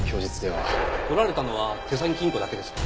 取られたのは手提げ金庫だけですか？